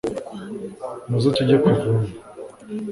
Muze tujye kuvoma